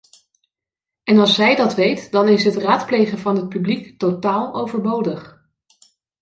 En als zij dat weet, dan is het raadplegen van het publiek totaal overbodig.